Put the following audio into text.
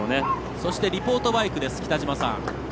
そして、リポートバイク北嶋さん。